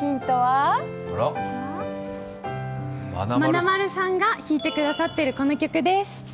ヒントはまなまるさんが弾いてくださっているこの曲です。